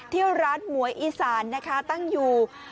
ที่ร้านหมวยอีสานนะคะตั้งอยู่